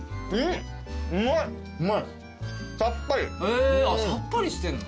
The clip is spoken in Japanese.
へぇさっぱりしてんの？